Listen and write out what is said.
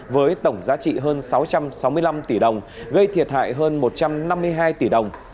với tổng giá trị hơn sáu trăm sáu mươi năm tỷ đồng gây thiệt hại hơn một trăm năm mươi hai tỷ đồng